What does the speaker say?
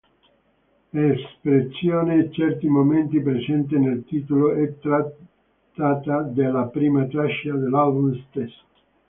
L'espressione "certi momenti" presente nel titolo è tratta dalla prima traccia dell'album stesso.